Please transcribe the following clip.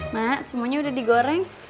mak semuanya udah digoreng